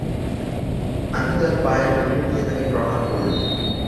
আমি তাঁর পায়ের ধুলো নিয়ে তাঁকে প্রণাম করলুম।